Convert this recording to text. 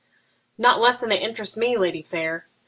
'Not less than they interest me, lady fair.